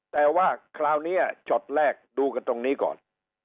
แต่ว่าคราวนี้ช็อตแรกดูกันตรงนี้ก่อน